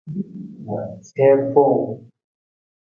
Hiir fowung.